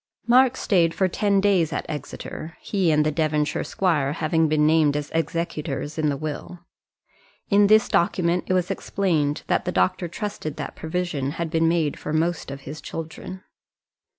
Mark stayed for ten days at Exeter, he and the Devonshire squire having been named as executors in the will. In this document it was explained that the doctor trusted that provision had been made for most of his children.